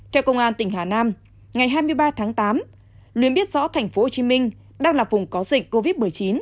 theo công an tỉnh hà nam ngày hai mươi ba tháng tám luyến biết rõ thành phố hồ chí minh đang là vùng có dịch covid một mươi chín